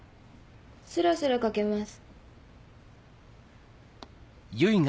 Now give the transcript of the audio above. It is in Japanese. スラスラ描けます。